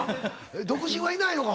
独身はいないのか？